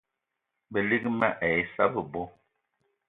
Balig mal ai issa bebo